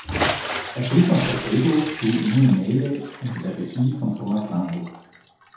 Er schrieb noch das Drehbuch zu "Muhme Mehle" unter der Regie von Thomas Langhoff.